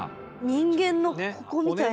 人間のここみたいな。